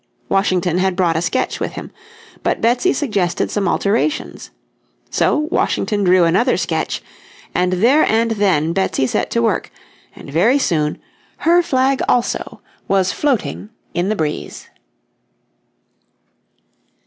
Washington had brought a sketch with him, but Betsy suggested some alterations. So Washington drew another sketch, and there and then Betsy set to work, and very soon her flag also was floating in the breeze.